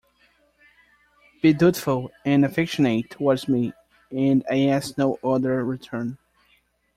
Be dutiful and affectionate towards me, and I ask no other return.